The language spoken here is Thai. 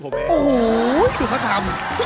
โอ้โหดูเขาทำ